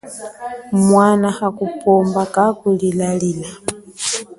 Mwana hakupomba kaku lilalila.